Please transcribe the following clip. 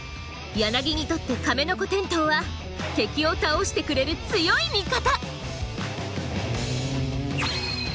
ヤナギにとってカメノコテントウは敵を倒してくれる強い味方！